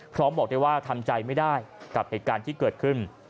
บอกได้ว่าทำใจไม่ได้กับเหตุการณ์ที่เกิดขึ้น